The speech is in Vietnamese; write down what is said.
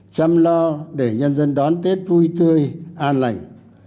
chăm lo để nhân dân đón tết vui tươi an lành